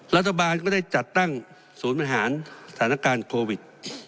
รัฐบาลก็ได้จัดตั้งศูนย์บริหารสถานการณ์โควิด